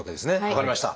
分かりました。